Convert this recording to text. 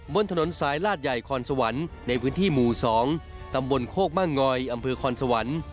บนถนนสายลาดใหญ่คอนสวรรค์ในพื้นที่หมู่๒ตำบลโคกม่างอยอำเภอคอนสวรรค์